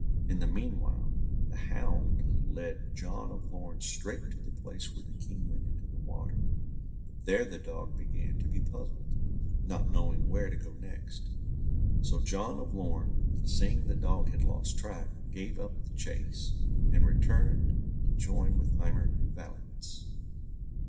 In the meanwhile, the hound led John of Lorn straight to the place where the King went into the water, but there the dog began to be puzzled, not knowing where to go next. So, John of Lorn, seeing the dog had lost track, gave up the chase, and returned to join with Aymer de Valence.